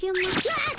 わっ！